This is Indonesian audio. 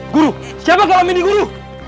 guru siapa kalamindi guru